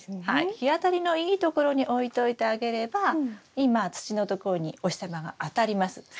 はい日当たりのいいところに置いといてあげれば今土のところにお日様が当たります。